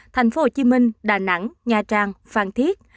thành phố hồ chí minh đà nẵng nha trang phan thiết